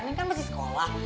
neng kan masih sekolah